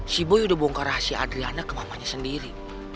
si boy udah bongkar rahasia adriana ke mamanya sendiri